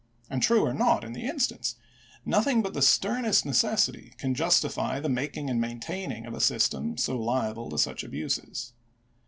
And true or not in the instance, nothing but the sternest neces sity can justify the making and maintaining of a system so liable to such abuses.